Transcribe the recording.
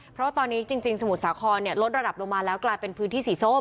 เพราะว่าตอนนี้จริงสมุทรสาครลดระดับลงมาแล้วกลายเป็นพื้นที่สีส้ม